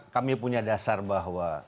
kami punya dasar bahwa